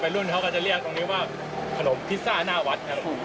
รุ่นเขาก็จะเรียกตรงนี้ว่าขนมพิซซ่าหน้าวัดครับ